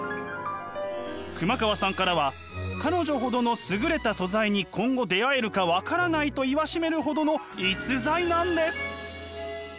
熊川さんからは「彼女ほどの優れた素材に今後出会えるかわからない」と言わしめるほどの逸材なんです。